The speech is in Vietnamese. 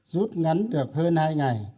rút ngắn được hơn hai ngày